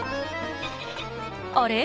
あれ？